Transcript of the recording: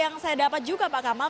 yang saya dapat juga pak kamal